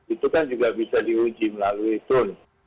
itu kan juga bisa diuji melalui tun